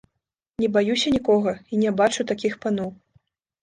Не баюся нікога і не бачу такіх паноў.